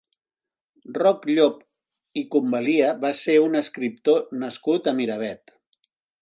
Roc Llop i Convalia va ser un escriptor nascut a Miravet.